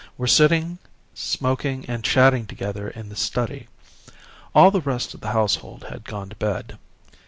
were sitting smoking and chatting together in the study. All the rest of the household had gone to bed.